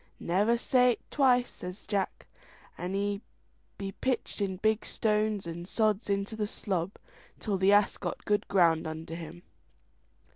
"Never say't twice," says Jack, and he pitched in big stones and sods into the slob, till the ass got good ground under him.